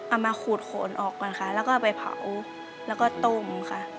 มาขูดโขนออกก่อนค่ะแล้วก็เอาไปเผาแล้วก็ต้มค่ะ